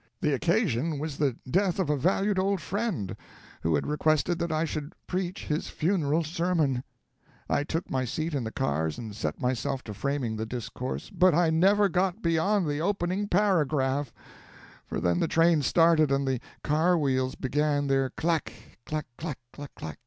The occasion was the death of a valued old friend who had requested that I should preach his funeral sermon. I took my seat in the cars and set myself to framing the discourse. But I never got beyond the opening paragraph; for then the train started and the car wheels began their 'clack, clack clack clack clack!